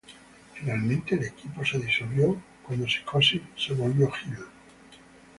Finalmente el equipo se disolvió cuando Psicosis se volvió heel.